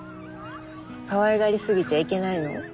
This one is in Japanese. かわいがりすぎちゃいけないの？